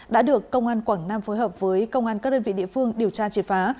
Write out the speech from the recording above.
đã được công an quảng nam phối hợp với công an các đơn vị địa phương điều tra triệt phá